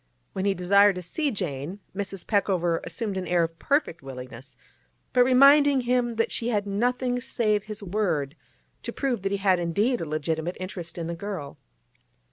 When he desired to see Jane, Mrs. Peckover assumed an air of perfect willingness, but reminded him that she had nothing save his word to prove that he had indeed a legitimate interest in the girl.